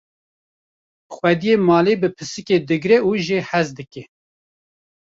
xwediyê malê bi pisikê digre û jê hez dike